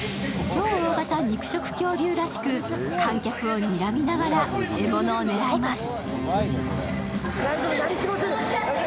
超大型肉食恐竜らしく、観客をにらみながら獲物を狙います。